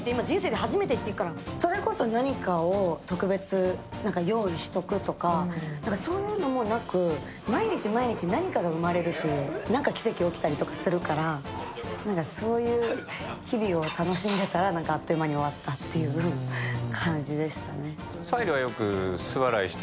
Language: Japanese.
それこそ何かを特別用意しとくとか、そういうのもなく、毎日毎日何かが生まれるし、何か奇跡起きたりするから、そういう日々を楽しんでたらあっという間に終わったっていう感じでしたね。